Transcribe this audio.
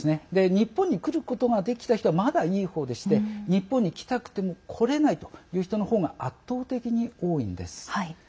日本に来ることができた人はまだいいほうでして日本に来たくても来れないという人のほうが圧倒的に多いんです。